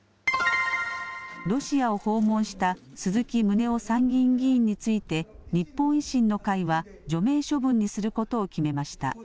ロシアを訪問した鈴木宗男参議院議員について、日本維新の会は除名処分にすることを決めました。